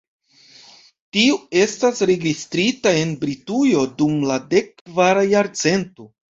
Tiu estas registrita en Britujo dum la dek kvara jarcento.